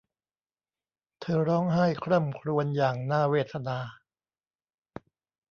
เธอร้องไห้คร่ำครวญอย่างน่าเวทนา